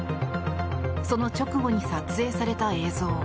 その直後に撮影された映像。